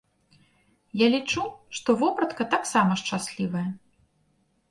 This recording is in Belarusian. Я лічу, што вопратка таксама шчаслівая.